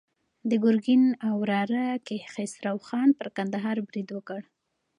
د ګرګین وراره کیخسرو خان پر کندهار برید وکړ.